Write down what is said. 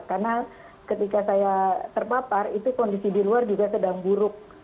karena ketika saya terpapar itu kondisi di luar juga sedang buruk